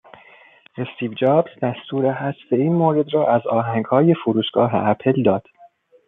استیو جابز دستور حذف این مورد را از آهنگهای فروشگاه اپل داد